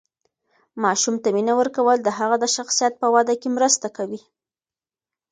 ماشوم ته مینه ورکول د هغه د شخصیت په وده کې مرسته کوي.